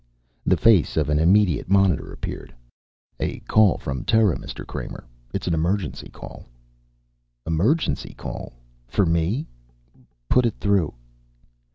The face of the immediate monitor appeared. "A call from Terra, Mr. Kramer. An emergency call." "Emergency call? For me? Put it through."